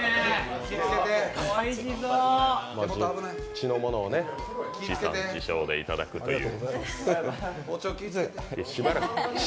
地のものを地産地消でいただくという。